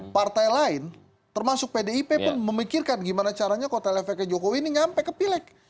partai lain termasuk pdip pun memikirkan gimana caranya kotel efeknya jokowi ini nyampe ke pileg